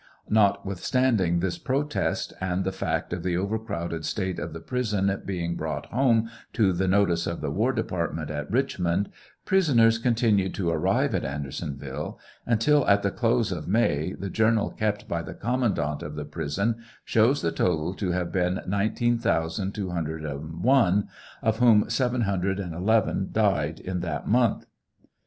Notwithstanding this protest and the fact of the over crowded state of the prison being brought home to the notice of the war department at Eichmond, prisoners continued to arrive at Andersonville, until at the close of May the journal kept by the commandant of the prison shows the total to liave been 19,201, of whom 711 died in that month.